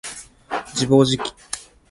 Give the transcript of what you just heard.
自暴自棄